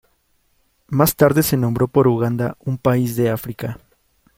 Más tarde se nombró por Uganda, un país de África.